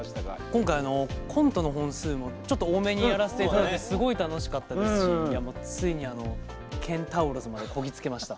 今回コントの本数もちょっと多めにやらせていただいてすごい楽しかったですしついにケンタウロスまでこぎ着けました。